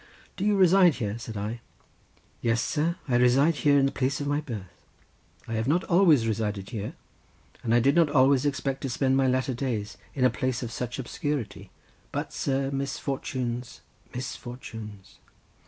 "Do you reside here?" said I. "Yes, sir, I reside here in the place of my birth—I have not always resided here—and I did not always expect to spend my latter days in a place of such obscurity, but, sir, misfortunes—misfortunes